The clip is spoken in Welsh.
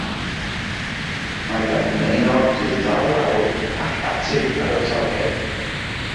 Mae gan y maenordy ddau lawr ac atig ar y talcen.